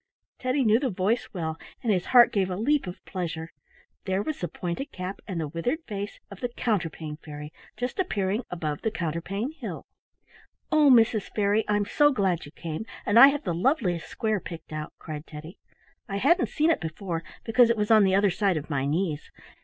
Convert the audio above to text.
Teddy knew the voice well, and his heart gave a leap of pleasure. There was the pointed cap and the withered face of the Counterpane Fairy just appearing above the counterpane hill. "Oh, Mrs. Fairy, I'm so glad you came, and I have the loveliest square picked out!" cried Teddy. "I hadn't seen it before, because it was the other side of my knees.